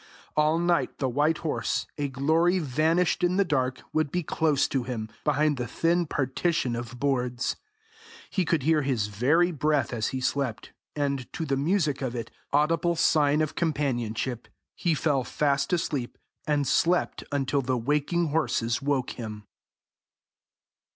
All night the white horse, a glory vanished in the dark, would be close to him, behind the thin partition of boards. He could hear his very breath as he slept, and to the music of it, audible sign of companionship, he fell fast asleep, and slept until the waking horses woke him.